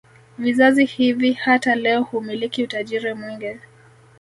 Vizazi hivi hata leo humiliki utajiri mwingi